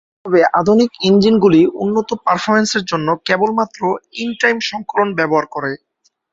তবে আধুনিক ইঞ্জিনগুলি উন্নত পারফরম্যান্সের জন্য কেবলমাত্র ইন-টাইম সংকলন ব্যবহার করে।